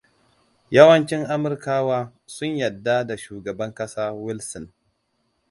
Yawancin Amurkawa sun yadda da shugaban kasa Wilson.